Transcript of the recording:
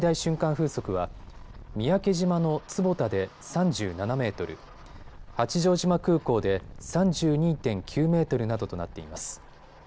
風速は三宅島の坪田で３７メートル、八丈島空港で３２．９メートルなどとなっています。